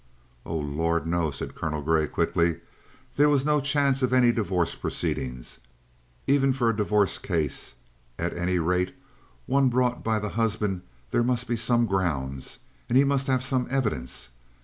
"Oh, Lord, no!" said Colonel Grey quickly. "There was no chance of any divorce proceedings. Even for a divorce case, at any rate one brought by the husband, there must be some grounds; he must have some evidence.